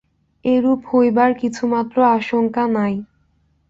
এরূপ হইবার কিছুমাত্র আশঙ্কা নাই।